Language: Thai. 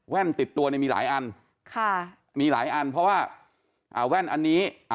แว่นติดตัวเนี่ยมีหลายอัน